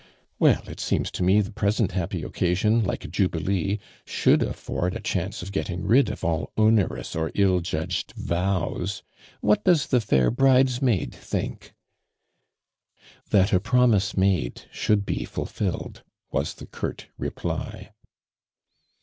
" Well it seems to me the present happy occasion, like a jubilee, should afford a chance of getting rid of all onerous or ill judged vows. What does the fair brides maid think I " That a promise made should be ful filled," was tne curt reply.